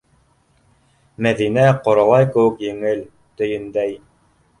Мәҙинә ҡоралай кеүек еңел, тейендәй